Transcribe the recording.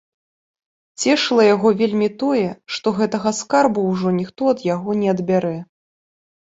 Цешыла яго вельмі тое, што гэтага скарбу ўжо ніхто ад яго не адбярэ.